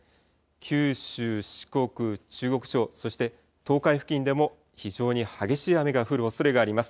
九州、四国、中国地方、そして東海付近でも、非常に激しい雨が降るおそれがあります。